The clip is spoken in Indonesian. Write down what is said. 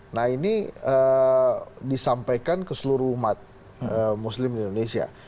nah ini disampaikan ke seluruh umat muslim di indonesia